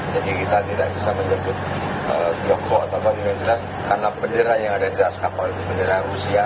jadi kita tidak bisa menyebut tiongkok atau apa yang jelas karena bendera yang ada di atas kapal itu bendera rusia